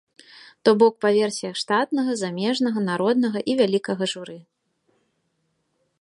То бок, па версіях штатнага, замежнага, народнага і вялікага журы.